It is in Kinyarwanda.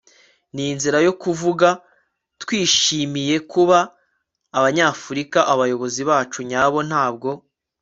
n'inzira yo kuvuga. twishimiye kuba abanyafurika. abayobozi bacu nyabo ntabwo